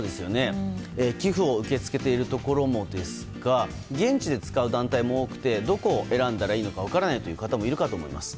寄付を受け付けているところもですが現地で使う団体も多くてどこを選んだらいいのか分からないという方もいるかと思います。